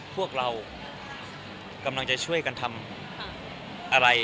พวกเรากำลังจะช่วยกันทำอะไร